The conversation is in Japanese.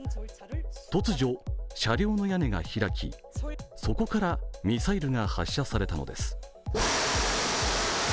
突如、車両の屋根が開きそこからミサイルが発射されたのです。